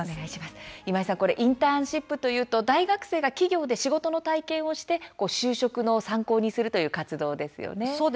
インターンシップというと大学生が企業で仕事の体験をして就職の参考にするというそうですね。